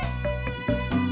aku mau berbual